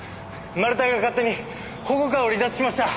マル対が勝手に保護下を離脱しました。